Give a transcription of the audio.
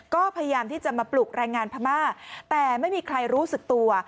ก็พยายามที่จะมาปลุกแรงงานพม่าแต่ไม่มีใครรู้สึกตัว